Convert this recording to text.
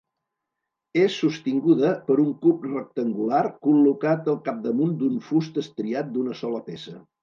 És sostinguda per un cub rectangular col·locat al capdamunt d'un fust estriat d'una sola peça.